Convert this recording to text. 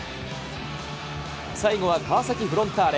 最後は川崎フロンターレ。